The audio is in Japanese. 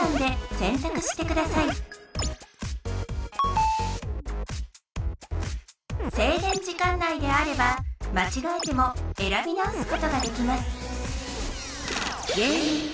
せいげん時間内であればまちがえても選び直すことができます